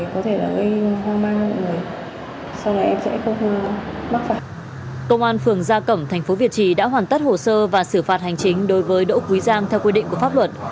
công an phường gia cẩm thành phố việt trì đã hoàn tất hồ sơ và xử phạt hành chính đối với đỗ quý giang theo quy định của pháp luật